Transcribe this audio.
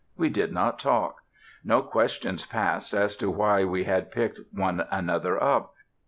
We did not talk. No questions passed as to why we had picked one another up.